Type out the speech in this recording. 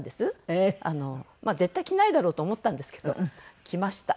まあ絶対着ないだろうと思ったんですけど着ました。